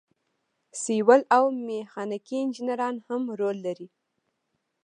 سیول او میخانیکي انجینران هم رول لري.